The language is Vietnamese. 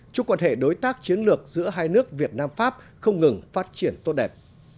chúc quan hệ đối tác chiến lược giữa hai nước việt nam pháp không ngừng phát triển tốt đẹp